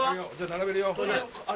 並べるよ。